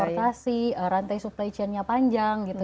transportasi rantai supply chainnya panjang gitu